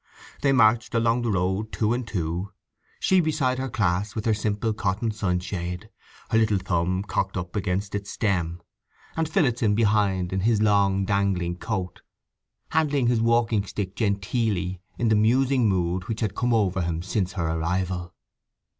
They marched along the road two and two, she beside her class with her simple cotton sunshade, her little thumb cocked up against its stem; and Phillotson behind in his long dangling coat, handling his walking stick genteelly, in the musing mood which had come over him since her arrival.